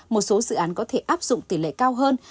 một số dự án có thể áp dụng tỷ lệ cao hơn